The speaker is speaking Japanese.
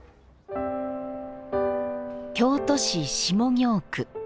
京都市下京区。